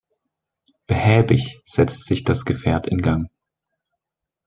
Behäbig setzt sich das Gefährt in Gang.